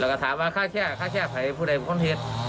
แล้วก็ถามว่าข้าแช่ข้าแช่ไฟผู้ใดบุคลเทศ